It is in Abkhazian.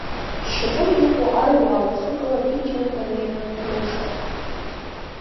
Шьапыла иҟоу аруаа уахыкала Питиунҭ анеира рылшарым!